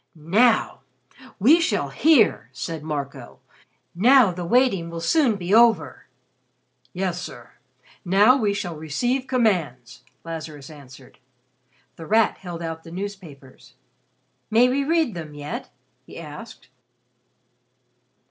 "Now we shall hear!" said Marco. "Now the waiting will soon be over." "Yes, sir. Now, we shall receive commands!" Lazarus answered. The Rat held out the newspapers. "May we read them yet?" he asked.